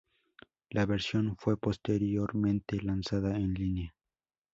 La versión fue posteriormente lanzada en línea.